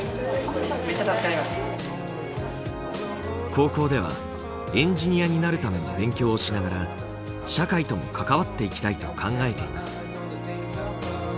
高校ではエンジニアになるための勉強をしながら社会とも関わっていきたいと考えています。